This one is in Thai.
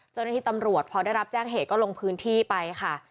เจ้าหน้าที่ตำรวจพอได้รับแจ้งเหตุก็ลงพื้นที่ไปค่ะ